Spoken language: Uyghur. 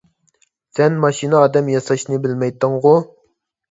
سەن ماشىنا ئادەم ياساشنى بىلمەيتتىڭغۇ؟